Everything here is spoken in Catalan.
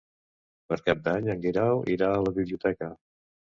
Per Cap d'Any en Guerau irà a la biblioteca.